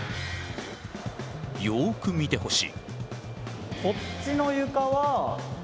よく見てほしい。